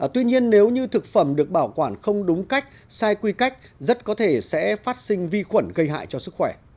tuy nhiên nếu như thực phẩm được bảo quản không đúng cách sai quy cách rất có thể sẽ phát sinh vi khuẩn gây hại cho sức khỏe